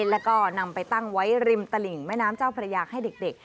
แล้วก็นำไปตั้งไว้ริมตลิ่งแม่น้ำเจ้าพระยาให้เด็ก